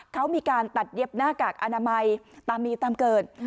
เขามีการตัดเย็บหน้ากากอนามัยตามมีตามเกิด